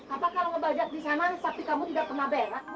apa kalau banyak di sana sapi kamu tidak pernah berak bur